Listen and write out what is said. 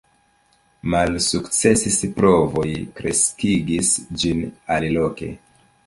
Malsukcesis provoj kreskigi ĝin aliloke.